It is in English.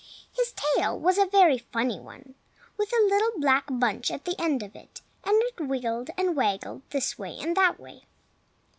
His tail was a very funny one, with a little black bunch at the end of it, and it wiggled and waggled this way and that way.